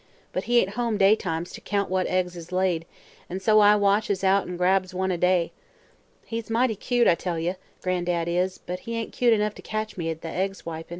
But he ain't home daytimes, to count what eggs is laid, an' so I watches out an' grabs one a day. He's mighty cute, I tell ye, Gran'dad is; but he ain't cute enough to catch me at the egg swipin'."